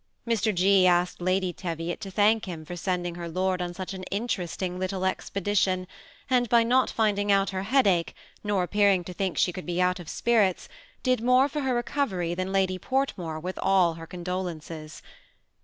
Mr. 6. asked Lady Teviot to thank him for sending her lord on . such an interesting little expedition, and by not finding out her headache, nor appearing to think she ceuld'be out of spirits, did more for her recovery than Lady Portmore with all her condolences.